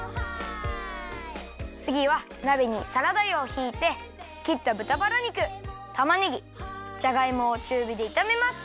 つぎはなべにサラダ油をひいてきったぶたバラ肉たまねぎじゃがいもをちゅうびでいためます。